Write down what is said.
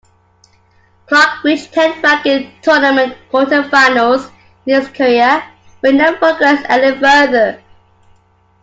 Clark reached ten ranking tournament quarter-finals in his career, but never progressed any further.